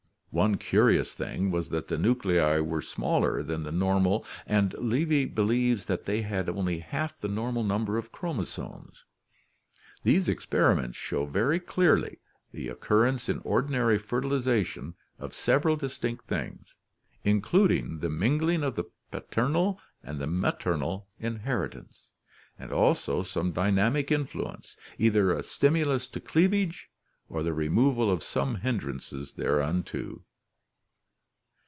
One curious thing was that the nuclei were smaller than the normal and Levy believes that they had only half the normal number of chromo somes. These experiments show very clearly the occurrence in ordinary fertilization of several distinct things, including the mingling of the paternal with the maternal inheritance, and also some dynamic influence, either a stimulus to cleavage or the removal of some hindrance thereunto.